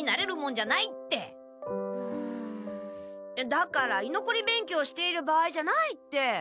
だからいのこり勉強している場合じゃないって。